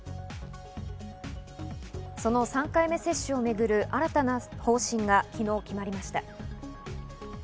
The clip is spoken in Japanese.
その３回目接種をめぐる新たな方針が昨日決まりました。